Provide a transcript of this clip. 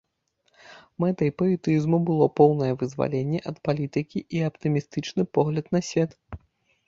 Мэтай паэтызму было поўнае вызваленне ад палітыкі і аптымістычны погляд на свет.